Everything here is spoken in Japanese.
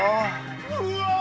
うわ。